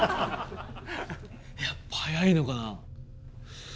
やっぱ速いのかな？